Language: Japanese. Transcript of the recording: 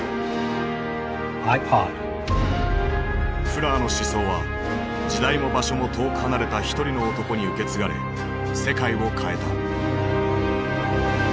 フラーの思想は時代も場所も遠く離れた一人の男に受け継がれ世界を変えた。